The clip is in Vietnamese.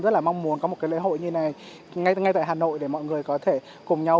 rất là mong muốn có một cái lễ hội như này ngay tại hà nội để mọi người có thể cùng nhau